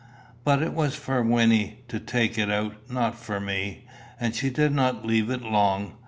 But it was for Wynnie to take it out, not for me. And she did not leave it long.